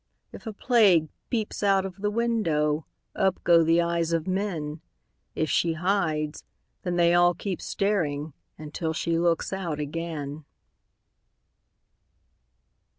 If a Plague peeps out of the window, Up go the eyes of men; If she hides, then they all keep staring Until she looks out again.